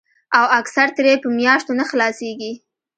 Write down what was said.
او اکثر ترې پۀ مياشتو نۀ خلاصيږي